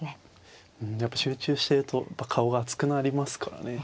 うんやっぱ集中してると顔が熱くなりますからね。